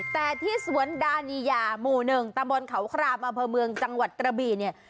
แต่ที่สวนดานิยามูนึงตะบอนเขาครามอเมืองจังหวัดกระบี่เนี่ย